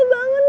bel bangun bel